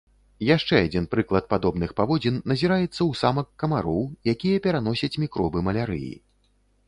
Яшчэ адзін прыклад падобных паводзін назіраецца ў самак камароў, якія пераносяць мікробы малярыі.